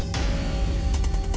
tidak ada yang bisa dipercaya